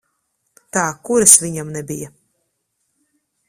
Tā, kuras viņam nebija?